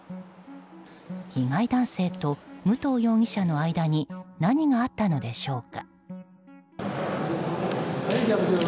被害男性と武藤容疑者の間に何があったのでしょうか。